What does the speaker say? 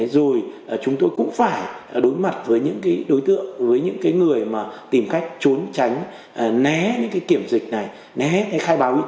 rồi chúng tôi cũng phải đối mặt với những đối tượng với những người tìm cách trốn tránh né những kiểm dịch này né khai báo y tế này